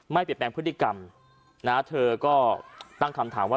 ไม่เปลี่ยนแปลงพฤติกรรมนะเธอก็ตั้งคำถามว่า